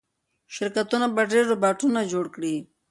شرکتونه به ډېر روباټونه جوړ کړي.